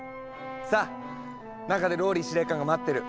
さあ中でＲＯＬＬＹ司令官が待ってる。